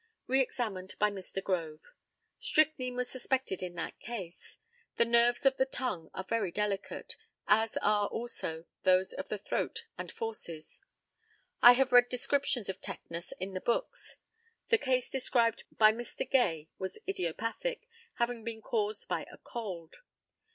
Re examined by Mr. GROVE. Strychnine was suspected in that case. The nerves of the tongue are very delicate, as are also those of the throat and fauces. I have read descriptions of tetanus in the books. The case described by Mr. Gay was idiopathic, having been caused by a cold.